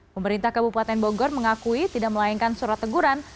pemerintah kabupaten bogor mengakui tidak melayangkan surat teguran